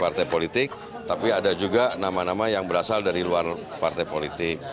partai politik tapi ada juga nama nama yang berasal dari luar partai politik